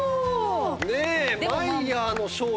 ねえマイヤーの商品で。